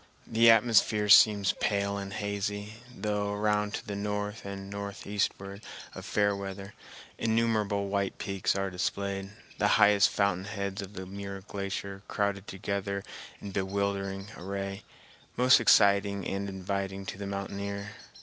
The atmosphere seems pale and hazy, though around to the north and northeastward of Fairweather innumerable white peaks are displayed, the highest fountain heads of the Muir Glacier crowded together in bewildering array, most exciting and inviting to the mountaineer.